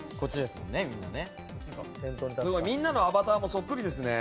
みんなのアバターもそっくりですね。